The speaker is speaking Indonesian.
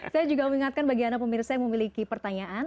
saya juga mengingatkan bagi anda pemirsa yang memiliki pertanyaan